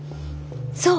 そう。